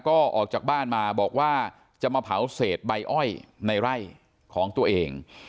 ก็ออกจากบ้านมาบอกว่าจะมาเผาเศษใบอ้อยในไร่ของตัวเอง